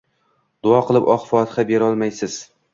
Duo qilib oq fotixa berolmaysiz